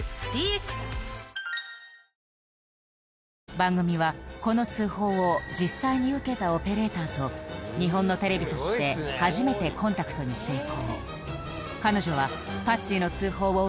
番組はこの通報を実際に受けたオペレーターと日本のテレビとして初めてコンタクトに成功